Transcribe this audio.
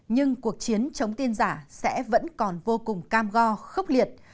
nhưng cuộc chiến chống tin giả sẽ vẫn còn vô cùng cam go khốc liệt